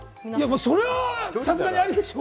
それはさすがにありでしょ。